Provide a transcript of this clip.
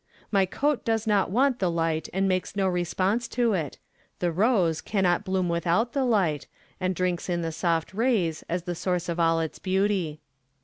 My coat does not want the light and makes no response to it; the rose cannot bloom without the light and drinks in the soft rays as the source of all its beauty.